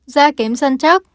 da kém săn chắc